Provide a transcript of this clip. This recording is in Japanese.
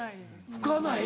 拭かない？